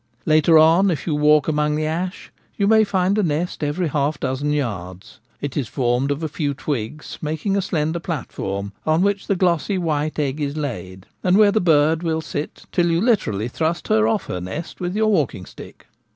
Later on, if you walk among the ash, you may find a nest every^half dozen yards. It is formed of a few twigs making a slender platform, on which the glossy white egg is laid, and where the bird will sit till you literally thrust her off her nest with your walking stick.